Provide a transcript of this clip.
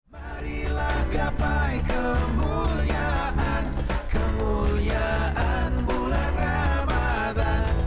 marilah gapai kemuliaan kemuliaan bulan ramadhan